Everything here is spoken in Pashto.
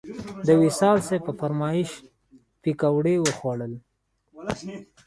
د وصال صیب په فرمایش پکوړې وخوړل.